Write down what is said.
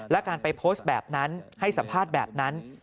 และการไปโพสต์แบบนั้นให้สัมภาษณ์แบบนั้น